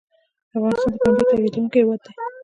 افغانستان د پنبې تولیدونکی هیواد دی